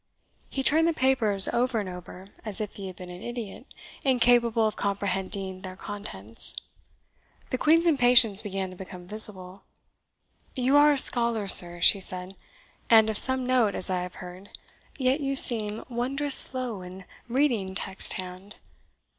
He turned the papers over and over, as if he had been an idiot, incapable of comprehending their contents. The Queen's impatience began to become visible. "You are a scholar, sir," she said, "and of some note, as I have heard; yet you seem wondrous slow in reading text hand.